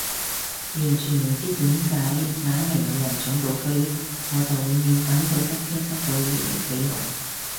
完全唔知點解硬係有人搶到飛，我就永遠等佢塞車塞到二零四六